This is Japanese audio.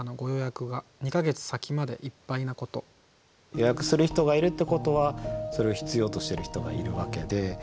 予約する人がいるってことはそれを必要としてる人がいるわけで。